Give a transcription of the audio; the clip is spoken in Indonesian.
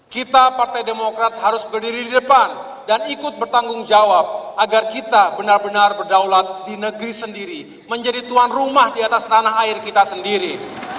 kita partai demokrat harus berdiri di depan dan ikut bertanggung jawab agar kita benar benar berdaulat di negeri sendiri menjadi tuan rumah di atas tanah air kita sendiri